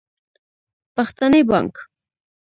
پښتني بانګ